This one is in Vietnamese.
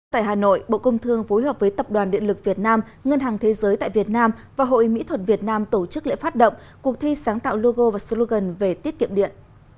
tại hà nội bộ công thương phối hợp với tập đoàn điện lực việt nam ngân hàng thế giới tại việt nam và hội mỹ thuật việt nam tổ chức lễ phát động cuộc thi sáng tạo logo và slogan về tiết kiệm điện